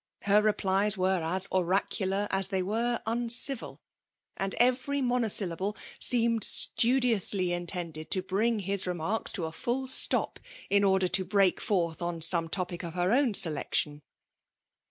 Her replies were as oracular as they were uncivil; and every monosyllable seemed studiously intended to bring his re marks to a full stop, in order to break forth on some topic of her own selection.